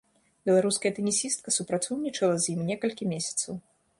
Беларуская тэнісістка супрацоўнічала з ім некалькі месяцаў.